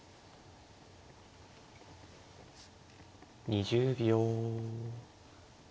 ２０秒。